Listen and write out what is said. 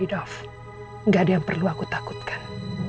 tidak ada apa apa yang perlu aku takutkan